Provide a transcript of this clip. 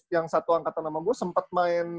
yang satu angkatan sama gue sempat main